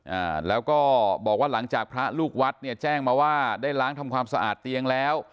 อ่าแล้วก็บอกว่าหลังจากพระลูกวัดเนี่ยแจ้งมาว่าได้ล้างทำความสะอาดเตียงแล้ว